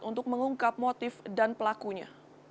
untuk mengungkap motif dan pelakunya